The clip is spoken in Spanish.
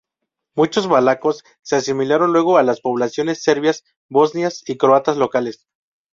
Muchos valacos se asimilaron luego a las poblaciones serbias, bosnias y croatas locales.